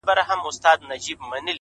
خدایه ته چیري یې او ستا مهرباني چیري ده،